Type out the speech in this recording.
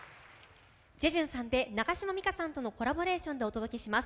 ジェジュンさんで中島美嘉さんとのコラボレーションでお届けします。